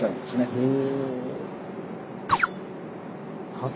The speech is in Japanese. へえ。